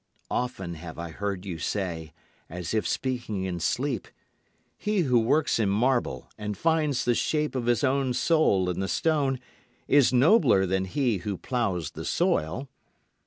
Often have I heard you say, as if speaking in sleep, "He who works in marble, and finds the shape of his own soul in the stone, is nobler than he who ploughs the soil.